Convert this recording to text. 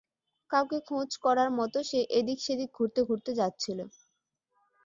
কাউকে খোঁজ করার মত সে এদিক-সেদিক ঘুরতে ঘুরতে যাচ্ছিল।